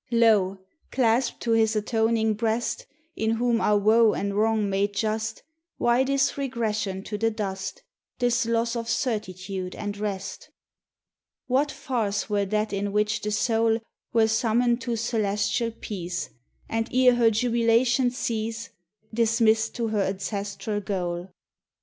Lo! claspt to His atoning breast In Whom are woe and wrong made just, Why this regression to the dust This loss of certitude and rest? 78 THE TESTIMONY OF THE SUNS. What farce were that in which the soul Were summoned to celestial peace, And, ere her jubilation cease, Dismissed to her ancestral goal?